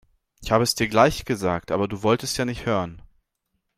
Ich habe es dir gleich gesagt, aber du wolltest ja nicht hören.